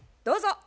どうぞ。